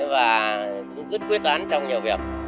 và cũng rất quyết toán trong nhiều việc